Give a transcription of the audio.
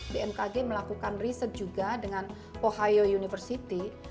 bmkg melakukan riset juga dengan pohao university